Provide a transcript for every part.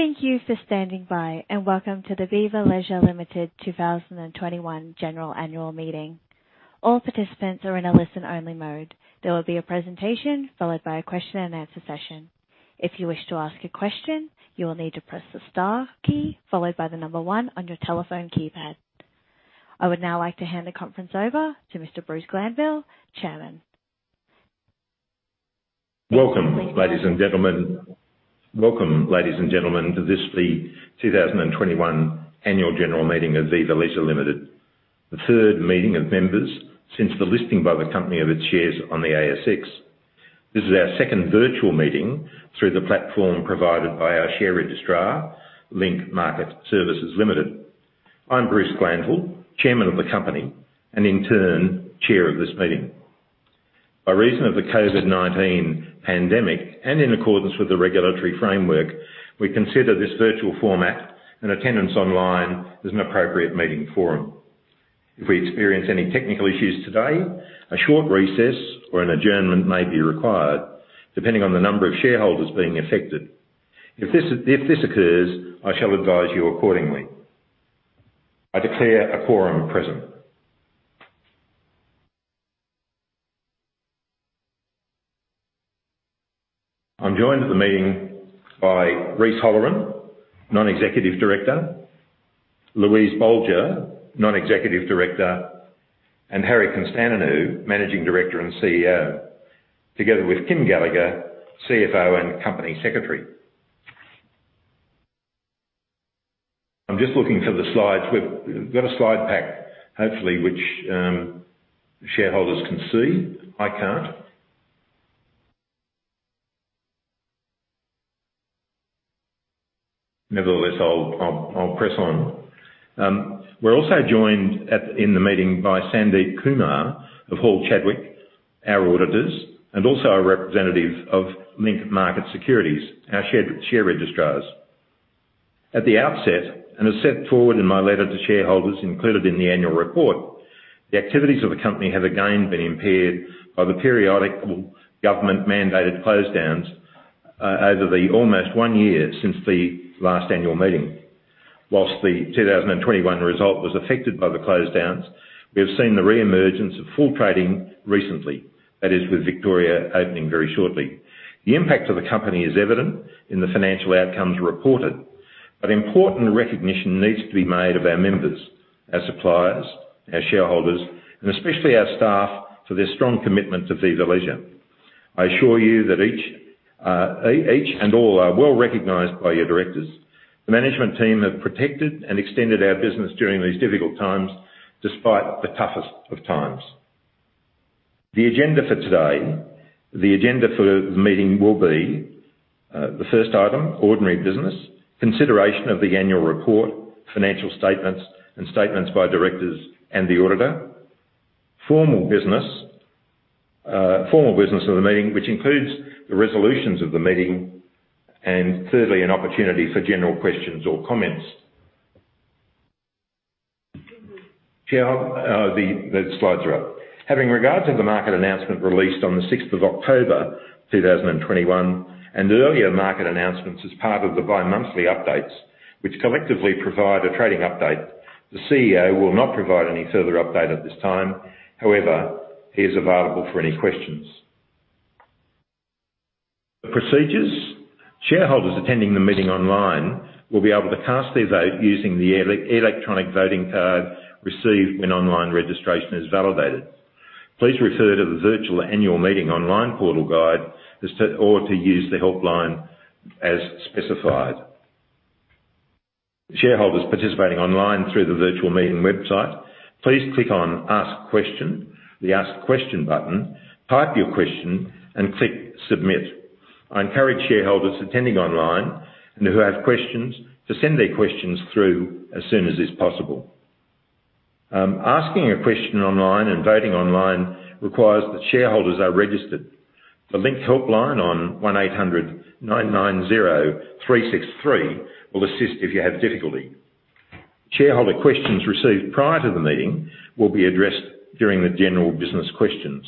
Thank you for standing by, and welcome to the Viva Leisure Limited 2021 Annual General Meeting. All participants are in a listen-only mode. There will be a presentation followed by a question and answer session. If you wish to ask a question, you will need to press the star key followed by the number one on your telephone keypad. I would now like to hand the conference over to Mr. Bruce Glanville, Chairman. Welcome, ladies and gentlemen. Welcome, ladies and gentlemen, to this the 2021 annual general meeting of Viva Leisure Limited. The third meeting of members since the listing by the company of its shares on the ASX. This is our second virtual meeting through the platform provided by our share registrar, Link Market Services Limited. I'm Bruce Glanville, Chairman of the company, and in turn, Chair of this meeting. By reason of the COVID-19 pandemic and in accordance with the regulatory framework, we consider this virtual format and attendance online as an appropriate meeting forum. If we experience any technical issues today, a short recess or an adjournment may be required depending on the number of shareholders being affected. If this occurs, I shall advise you accordingly. I declare a quorum present. I'm joined at the meeting by Rhys Holleran, Non-Executive Director, Louise Bolger, Non-Executive Director. Harry Konstantinou, Managing Director and CEO. Together with Kym Gallagher, CFO and Company Secretary. I'm just looking for the slides. We've got a slide pack, hopefully which shareholders can see. I can't. Nevertheless, I'll press on. We're also joined in the meeting by Sandeep Kumar of Hall Chadwick, our auditors, and also a representative of Link Market Services, our share registrars. At the outset, as set forward in my letter to shareholders included in the annual report, the activities of the company have again been impaired by the periodic government-mandated closedowns over the almost one year since the last annual meeting. While the 2021 result was affected by the closedowns, we have seen the re-emergence of full trading recently, that is with Victoria opening very shortly. The impact of the company is evident in the financial outcomes reported. Important recognition needs to be made of our members, our suppliers, our shareholders, and especially our staff, for their strong commitment to Viva Leisure. I assure you that each and all are well-recognized by your directors. The management team have protected and extended our business during these difficult times, despite the toughest of times. The agenda for the meeting will be the first item, ordinary business, consideration of the annual report, financial statements, and statements by directors and the auditor. Formal business of the meeting, which includes the resolutions of the meeting. Thirdly, an opportunity for general questions or comments. Chair, the slides are up. Having regard to the market announcement released on the sixth of October 2021, and earlier market announcements as part of the bi-monthly updates, which collectively provide a trading update, the CEO will not provide any further update at this time. However, he is available for any questions. The procedures. Shareholders attending the meeting online will be able to cast their vote using the electronic voting card received when online registration is validated. Please refer to the virtual annual meeting online portal guide, or to use the helpline as specified. Shareholders participating online through the virtual meeting website, please click on Ask question, the Ask question button, type your question, and click Submit. I encourage shareholders attending online and who have questions to send their questions through as soon as is possible. Asking a question online and voting online requires that shareholders are registered. The Link helpline on 1800 990 363 will assist if you have difficulty. Shareholder questions received prior to the meeting will be addressed during the general business questions.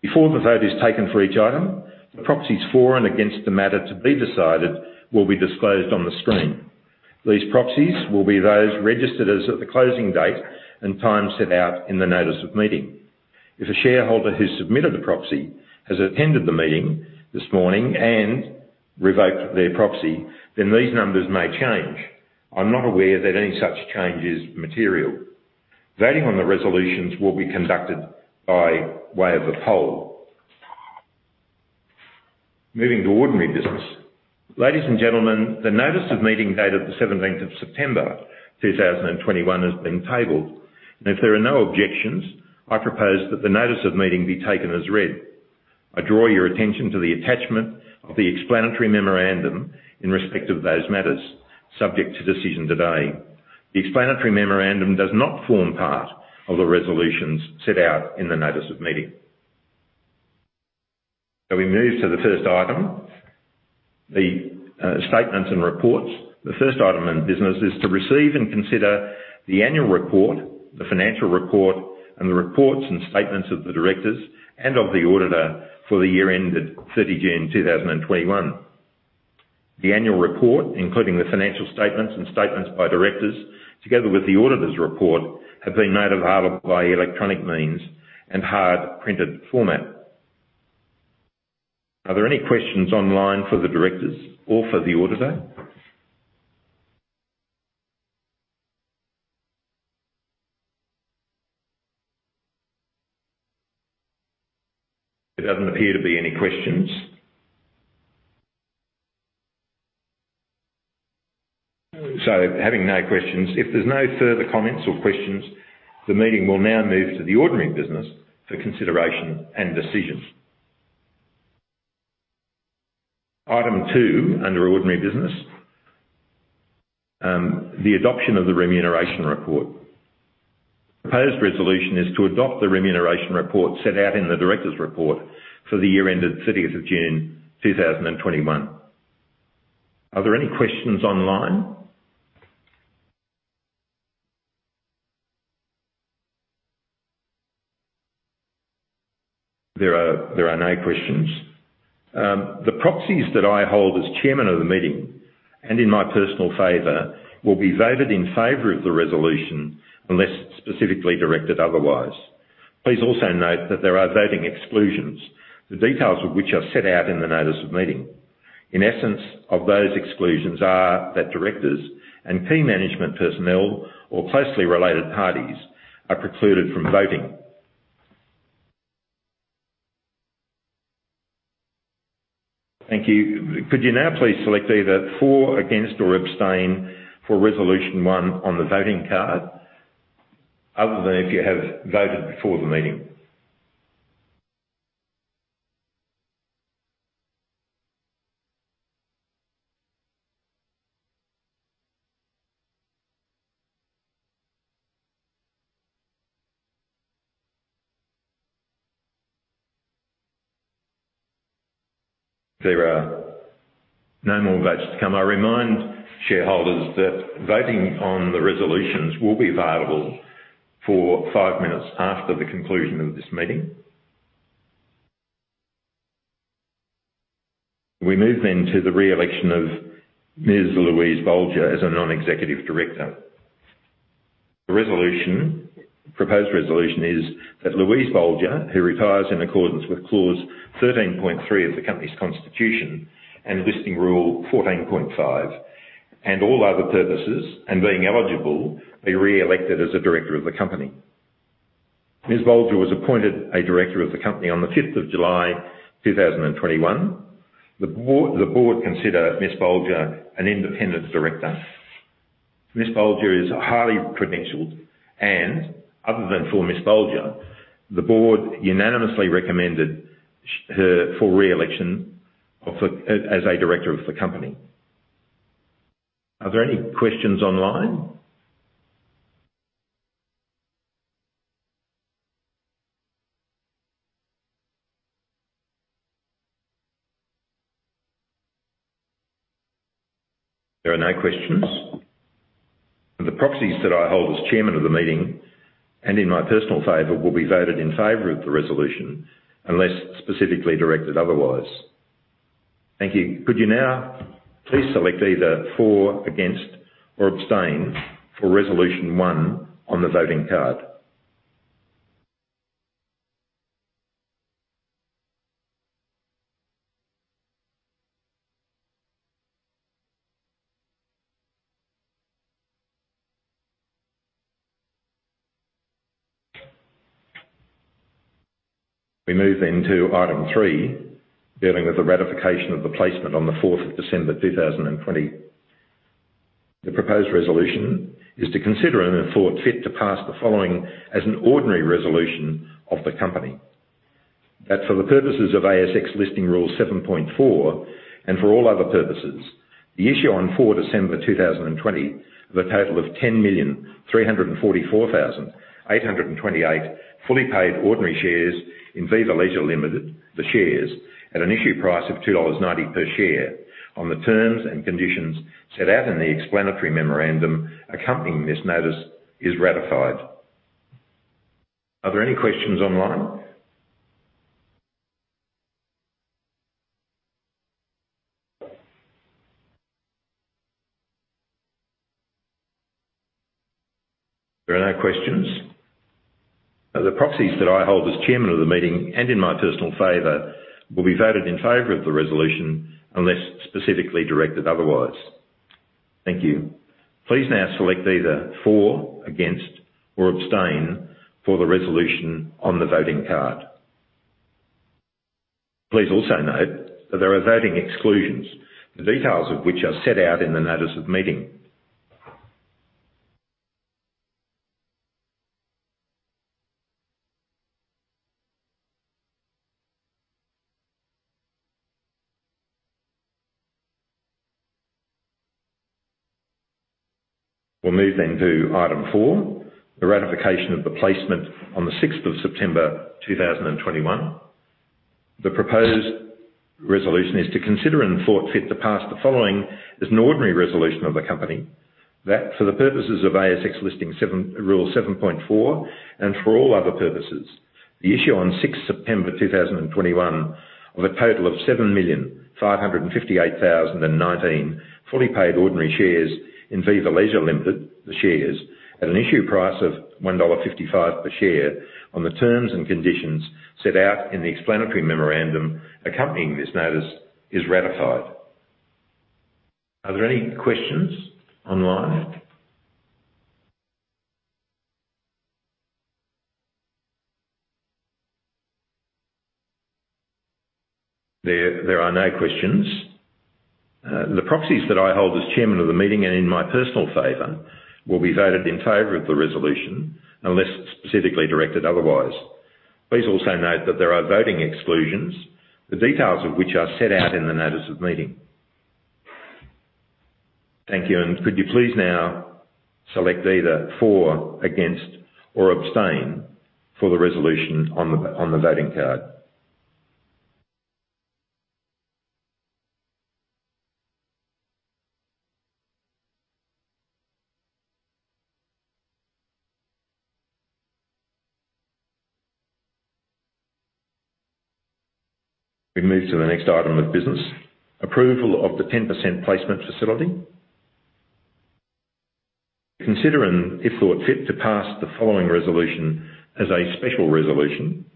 Before the vote is taken for each item, the proxies for and against the matter to be decided will be disclosed on the screen. These proxies will be those registered as at the closing date and time set out in the notice of meeting. If a shareholder who submitted a proxy has attended the meeting this morning and revoked their proxy, then these numbers may change. I'm not aware that any such change is material. Voting on the resolutions will be conducted by way of the poll. Moving to ordinary business. Ladies and gentlemen, the notice of meeting dated the seventeenth of September 2021 has been tabled. If there are no objections, I propose that the notice of meeting be taken as read. I draw your attention to the attachment of the explanatory memorandum in respect of those matters subject to decision today. The explanatory memorandum does not form part of the resolutions set out in the notice of meeting. We move to the first item, the statements and reports. The first item in business is to receive and consider the annual report, the financial report, and the reports and statements of the directors and of the auditor for the year ended 30 June 2021. The annual report, including the financial statements and statements by directors, together with the auditor's report, have been made available by electronic means and hard printed format. Are there any questions online for the directors or for the auditor? There doesn't appear to be any questions. Having no questions, if there's no further comments or questions, the meeting will now move to the ordinary business for consideration and decisions. Item two under ordinary business, the adoption of the remuneration report. Proposed resolution is to adopt the remuneration report set out in the directors' report for the year ended 30 June 2021. Are there any questions online? There are no questions. The proxies that I hold as Chairman of the meeting and in my personal favor will be voted in favor of the resolution unless specifically directed otherwise. Please also note that there are voting exclusions, the details of which are set out in the notice of meeting. In essence of those exclusions are that directors and key management personnel or closely related parties are precluded from voting. Thank you. Could you now please select either for, against, or abstain for resolution one on the voting card, other than if you have voted before the meeting. There are no more votes to come. I remind shareholders that voting on the resolutions will be available for 5 minutes after the conclusion of this meeting. We move to the re-election of Ms. Louise Bolger as a non-executive director. The proposed resolution is that Louise Bolger, who retires in accordance with Clause 13.3 of the company's constitution and Listing Rule 14.5 and all other purposes, and being eligible, be re-elected as a director of the company. Ms. Bolger was appointed a director of the company on July 5, 2021. The board consider Ms. Bolger an independent director. Ms. Bolger is highly credentialed, and other than for Ms. Bolger, the board unanimously recommended her for re-election as a director of the company. Are there any questions online? There are no questions. The proxies that I hold as Chairman of the meeting and in my personal favor will be voted in favor of the resolution unless specifically directed otherwise. Thank you. Could you now please select either for, against, or abstain for resolution 1 on the voting card. We move to item 3, dealing with the ratification of the placement on the fourth of December 2020. The proposed resolution is to consider and, if thought fit, to pass the following as an ordinary resolution of the company. That for the purposes of ASX Listing Rule 7.4 and for all other purposes, the issue on 4 December 2020 of a total of 10,344,828 fully paid ordinary shares in Viva Leisure Limited, the shares, at an issue price of 2.90 dollars per share on the terms and conditions set out in the explanatory memorandum accompanying this notice is ratified. Are there any questions online? There are no questions. The proxies that I hold as Chairman of the meeting and in my personal favor will be voted in favor of the resolution unless specifically directed otherwise. Thank you. Please now select either for, against, or abstain for the resolution on the voting card. Please also note that there are voting exclusions, the details of which are set out in the notice of meeting. We'll move then to item four, the ratification of the placement on the 6th of September 2021. The proposed resolution is to consider and, if thought fit, to pass the following as an ordinary resolution of the company that, for the purposes of ASX Listing Rule 7.4 and for all other purposes, the issue on 6th September 2021 of a total of 7,558,019 fully paid ordinary shares in Viva Leisure Limited, the shares, at an issue price of 1.55 dollar per share on the terms and conditions set out in the explanatory memorandum accompanying this notice is ratified. Are there any questions online? There are no questions. The proxies that I hold as chairman of the meeting and in my personal favor will be voted in favor of the resolution unless specifically directed otherwise. Please also note that there are voting exclusions, the details of which are set out in the notice of meeting. Thank you, and could you please now select either for, against, or abstain for the resolution on the voting card. We move to the next item of business: approval of the 10% placement facility. Consider and, if thought fit, to pass the following resolution as a special resolution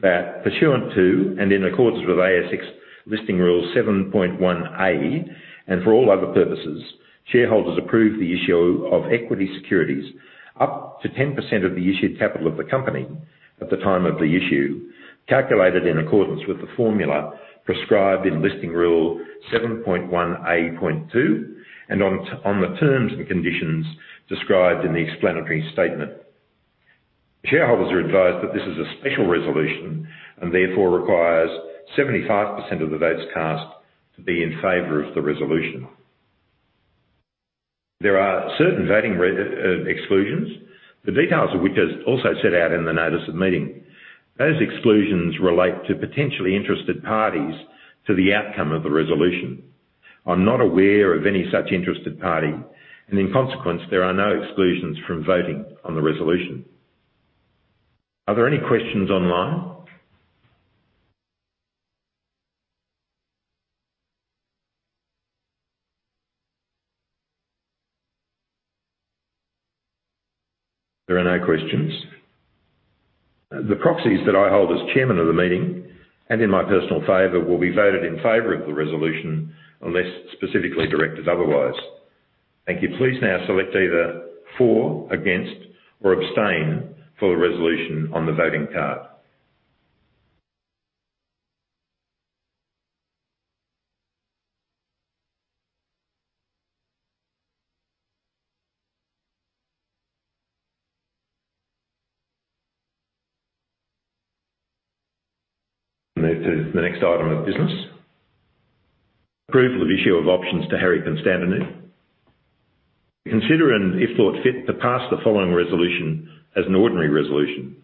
that, pursuant to and in accordance with ASX Listing Rule 7.1A, and for all other purposes, shareholders approve the issue of equity securities up to 10% of the issued capital of the company at the time of the issue, calculated in accordance with the formula prescribed in Listing Rule 7.1A.2 and on the terms and conditions described in the explanatory statement. Shareholders are advised that this is a special resolution and therefore requires 75% of the votes cast to be in favor of the resolution. There are certain voting exclusions, the details of which are also set out in the notice of meeting. Those exclusions relate to potentially interested parties to the outcome of the resolution. I'm not aware of any such interested party and in consequence, there are no exclusions from voting on the resolution. Are there any questions online? There are no questions. The proxies that I hold as chairman of the meeting and in my personal favor will be voted in favor of the resolution unless specifically directed otherwise. Thank you. Please now select either for, against, or abstain for the resolution on the voting card. Move to the next item of business: approval of issue of options to Harry Konstantinou. Consider and if thought fit to pass the following resolution as an ordinary resolution,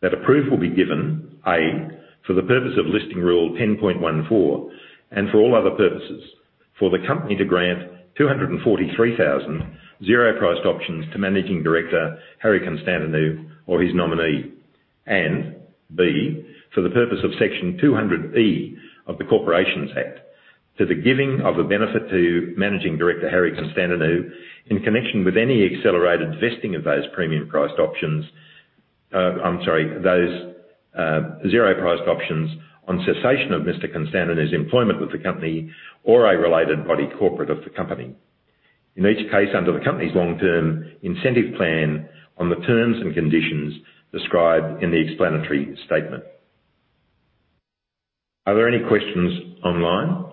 that approval be given, A, for the purpose of Listing Rule 10.14 and for all other purposes, for the company to grant 243,000 zero-priced options to Managing Director Harry Konstantinou or his nominee. B, for the purpose of Section 200E of the Corporations Act, to the giving of a benefit to Managing Director Harry Konstantinou in connection with any accelerated vesting of those zero priced options on cessation of Mr. Konstantinou's employment with the company or a related party corporate of the company. In each case under the company's long-term incentive plan on the terms and conditions described in the explanatory statement. Are there any questions online?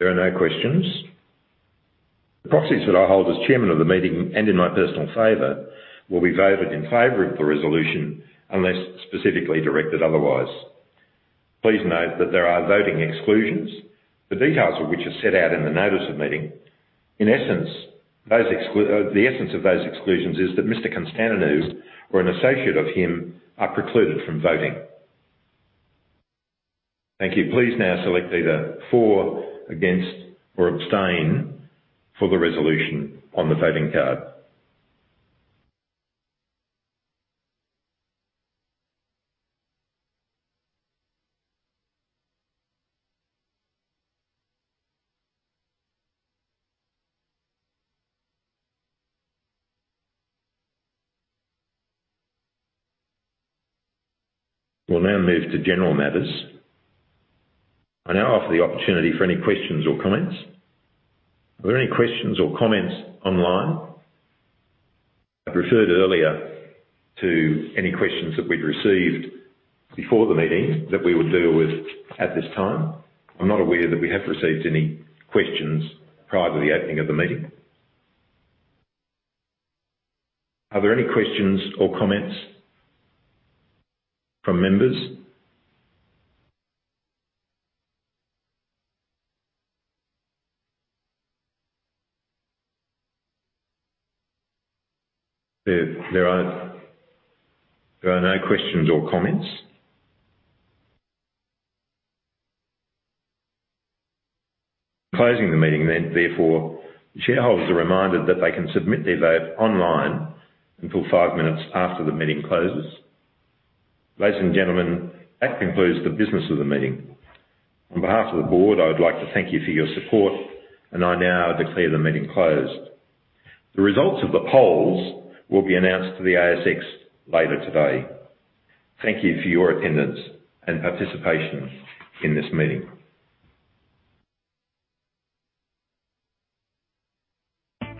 There are no questions. The proxies that I hold as chairman of the meeting and in my personal favor will be voted in favor of the resolution unless specifically directed otherwise. Please note that there are voting exclusions, the details of which are set out in the notice of meeting. In essence, the essence of those exclusions is that Mr. Konstaninou or an associate of him are precluded from voting. Thank you. Please now select either for, against, or abstain for the resolution on the voting card. We'll now move to general matters. I now offer the opportunity for any questions or comments. Are there any questions or comments online? I referred earlier to any questions that we'd received before the meeting that we would deal with at this time. I'm not aware that we have received any questions prior to the opening of the meeting. Are there any questions or comments from members? There are no questions or comments. Closing the meeting then. Therefore, shareholders are reminded that they can submit their vote online until five minutes after the meeting closes. Ladies and gentlemen, that concludes the business of the meeting. On behalf of the board, I would like to thank you for your support, and I now declare the meeting closed. The results of the polls will be announced to the ASX later today. Thank you for your attendance and participation in this meeting.